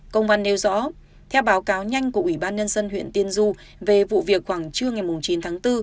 công văn nêu rõ theo báo cáo nhanh của ủy ban nhân dân huyện tiên du về vụ việc khoảng trưa ngày chín tháng bốn